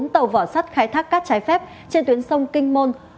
bốn tàu vỏ sắt khai thác cát trái phép trên tuyến sông kinh môn